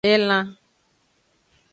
Elan.